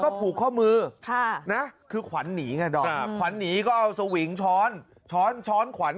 ก็ผูกข้อมือค่ะนะคือขวัญหนีก็เอาสวิงช้อนช้อนช้อนขวัญ